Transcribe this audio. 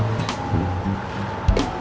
aku selalu berio ah checked outnya